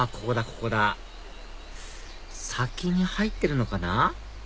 ここだ先に入ってるのかな？